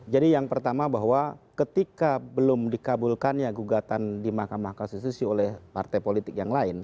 jadi yang pertama bahwa ketika belum dikabulkan ya gugatan di mahkamah khasusisi oleh partai politik yang lain